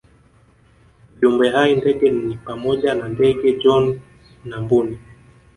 Viumbe hai ndege ni pamoja na ndege John na Mbuni